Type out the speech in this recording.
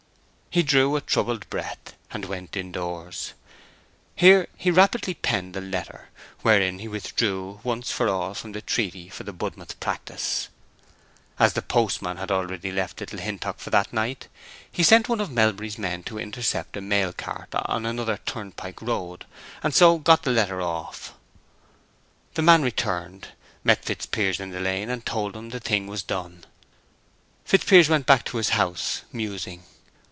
He drew a troubled breath, and went in doors. Here he rapidly penned a letter, wherein he withdrew once for all from the treaty for the Budmouth practice. As the postman had already left Little Hintock for that night, he sent one of Melbury's men to intercept a mail cart on another turnpike road, and so got the letter off. The man returned, met Fitzpiers in the lane, and told him the thing was done. Fitzpiers went back to his house musing.